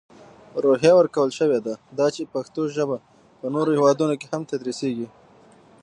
روحیه ورکول شوې ده، دا چې پښتو ژپه په نورو هیوادونو کې هم تدرېسېږي.